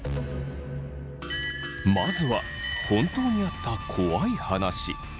まずは本当にあった怖い話。